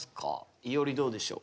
いおりどうでしょう？